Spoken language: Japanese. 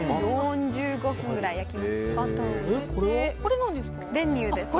４５分ぐらい焼きます。